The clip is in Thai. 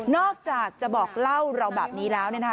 อกจากจะบอกเล่าเราแบบนี้แล้ว